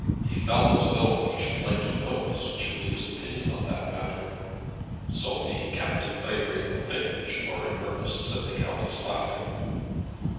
He felt as though he should like to know his Julia's opinions on that matter. "Sophie, Captain Clavering will think you are in earnest," said the countess, laughing.